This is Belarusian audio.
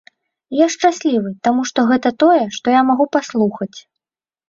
Я шчаслівы, таму што гэта тое, што я магу паслухаць.